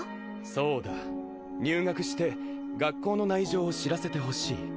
・そうだ入学して学校の内情を知らせてほしい